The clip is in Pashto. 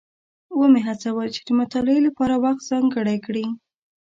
ومې هڅول چې د مطالعې لپاره وخت ځانګړی کړي.